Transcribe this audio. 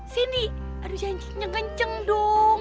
sini aduh janjinya kenceng dong